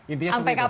intinya seperti itu